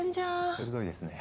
鋭いですね。